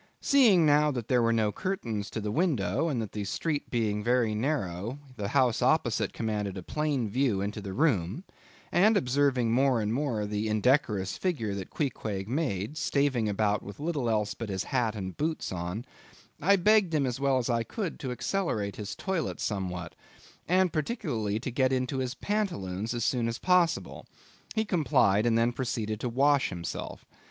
Seeing, now, that there were no curtains to the window, and that the street being very narrow, the house opposite commanded a plain view into the room, and observing more and more the indecorous figure that Queequeg made, staving about with little else but his hat and boots on; I begged him as well as I could, to accelerate his toilet somewhat, and particularly to get into his pantaloons as soon as possible. He complied, and then proceeded to wash himself.